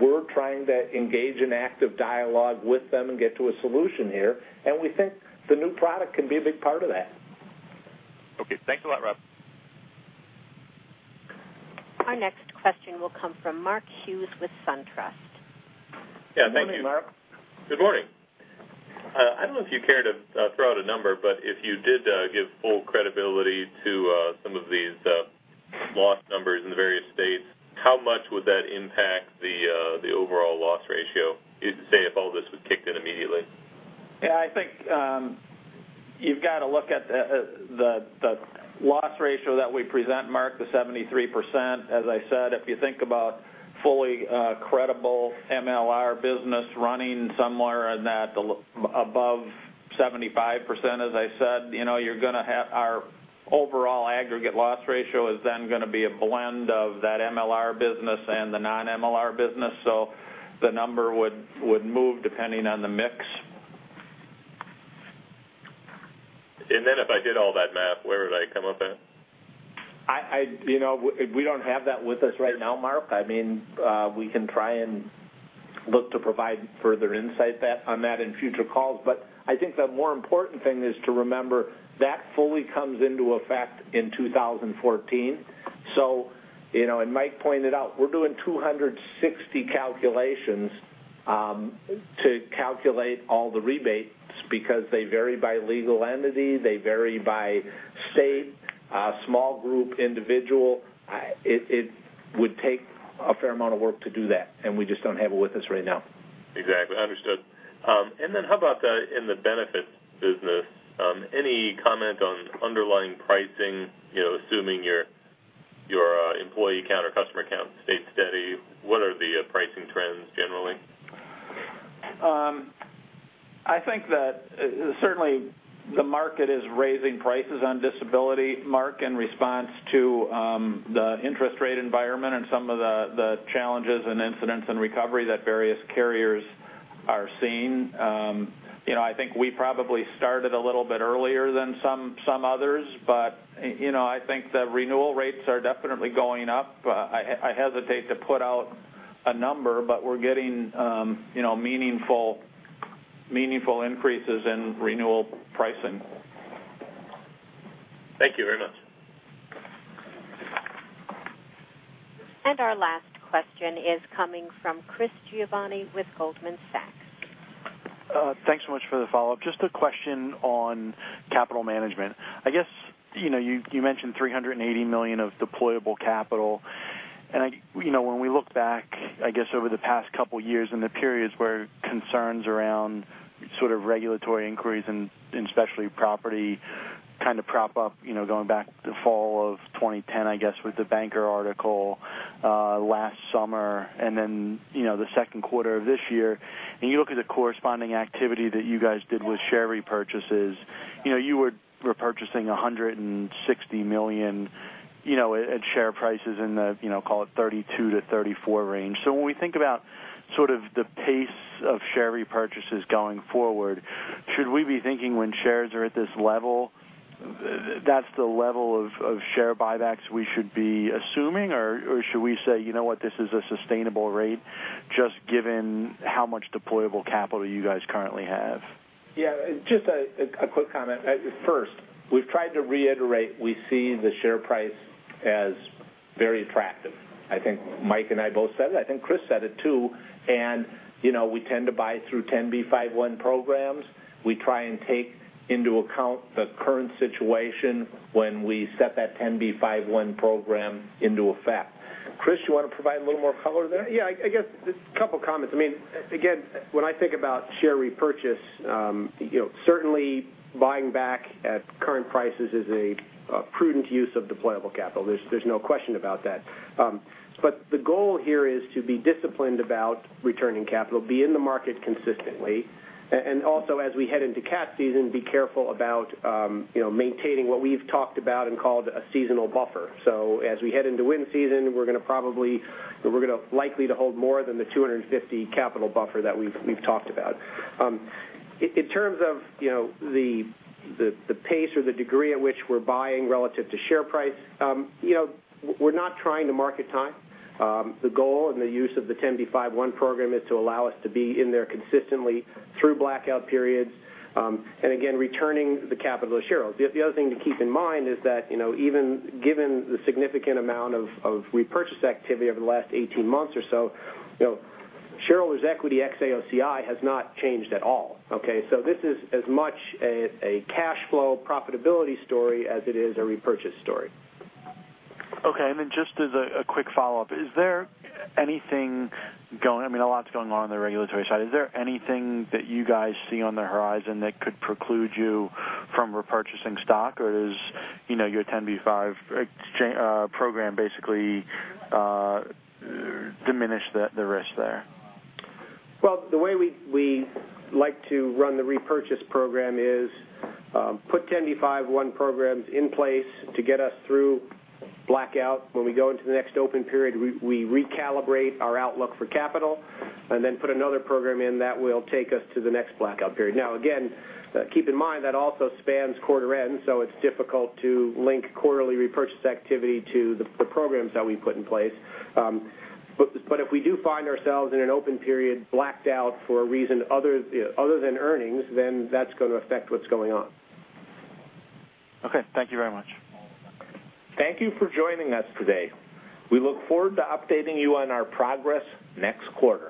We're trying to engage in active dialogue with them and get to a solution here. We think the new product can be a big part of that. Okay. Thanks a lot, Rob. Our next question will come from Mark Hughes with SunTrust. Yeah, thank you. Morning, Mark. Good morning. I don't know if you care to throw out a number, but if you did give full credibility to some of these loss numbers in the various states, how much would that impact the overall loss ratio, say, if all this was kicked in immediately? Yeah, I think, you've got to look at the loss ratio that we present, Mark, the 73%. As I said, if you think about fully credible MLR business running somewhere in that above 75%, as I said, our overall aggregate loss ratio is then going to be a blend of that MLR business and the non-MLR business. The number would move depending on the mix. if I did all that math, where would I come up at? We don't have that with us right now, Mark. We can try and look to provide further insight on that in future calls. I think the more important thing is to remember that fully comes into effect in 2014. Mike pointed out, we're doing 260 calculations to calculate all the rebates because they vary by legal entity. They vary by state, small group, individual. It would take a fair amount of work to do that, and we just don't have it with us right now. Exactly. Understood. How about in the benefits business? Any comment on underlying pricing? Our employee count, our customer count stayed steady. What are the pricing trends generally? I think that certainly the market is raising prices on disability, Mark, in response to the interest rate environment and some of the challenges and incidents and recovery that various carriers are seeing. I think we probably started a little bit earlier than some others, I think the renewal rates are definitely going up. I hesitate to put out a number, we're getting meaningful increases in renewal pricing. Thank you very much. Our last question is coming from Christopher Giovanni with Goldman Sachs. Thanks so much for the follow-up. Just a question on capital management. I guess, you mentioned $380 million of deployable capital, when we look back, I guess, over the past couple of years in the periods where concerns around sort of regulatory inquiries and especially property kind of prop up, going back to fall of 2010, I guess, with the banker article last summer, then the second quarter of this year. You look at the corresponding activity that you guys did with share repurchases. You were repurchasing $160 million at share prices in the, call it $32-$34 range. When we think about sort of the pace of share repurchases going forward, should we be thinking when shares are at this level, that's the level of share buybacks we should be assuming? Should we say, you know what, this is a sustainable rate just given how much deployable capital you guys currently have? Just a quick comment. First, we've tried to reiterate we see the share price as very attractive. I think Mike and I both said it, I think Chris said it too. We tend to buy through 10b5-1 programs. We try and take into account the current situation when we set that 10b5-1 program into effect. Chris, you want to provide a little more color there? I guess just a couple of comments. Again, when I think about share repurchase, certainly buying back at current prices is a prudent use of deployable capital. There's no question about that. The goal here is to be disciplined about returning capital, be in the market consistently, and also as we head into cat season, be careful about maintaining what we've talked about and called a seasonal buffer. As we head into wind season, we're going to likely to hold more than the $250 capital buffer that we've talked about. In terms of the pace or the degree at which we're buying relative to share price, we're not trying to market time. The goal and the use of the 10b5-1 program is to allow us to be in there consistently through blackout periods. Again, returning the capital to shareholders. The other thing to keep in mind is that even given the significant amount of repurchase activity over the last 18 months or so, shareholders' equity ex AOCI has not changed at all. Okay. This is as much a cash flow profitability story as it is a repurchase story. Okay. Just as a quick follow-up, a lot's going on on the regulatory side. Is there anything that you guys see on the horizon that could preclude you from repurchasing stock? Or is your 10b5 program basically diminished the risk there? Well, the way we like to run the repurchase program is put 10b5-1 programs in place to get us through blackout. When we go into the next open period, we recalibrate our outlook for capital and then put another program in that will take us to the next blackout period. Again, keep in mind that also spans quarter end, so it's difficult to link quarterly repurchase activity to the programs that we put in place. If we do find ourselves in an open period blacked out for a reason other than earnings, then that's going to affect what's going on. Okay. Thank you very much. Thank you for joining us today. We look forward to updating you on our progress next quarter.